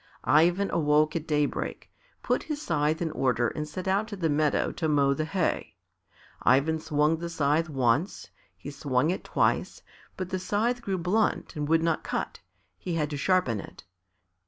Ivan awoke at daybreak, put his scythe in order and set out to the meadow to mow the hay. Ivan swung the scythe once, he swung it twice, but the scythe grew blunt and would not cut; he had to sharpen it.